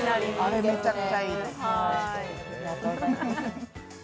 あれ、めちゃくちゃいいです。